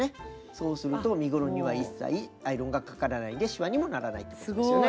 そうすると身ごろには一切アイロンがかからないでしわにもならないってことですよね。